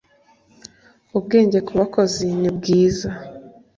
ubwenge ku bakozi nibwiza